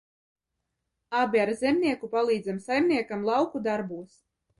Abi ar Zemnieku palīdzam saimniekam lauku darbos.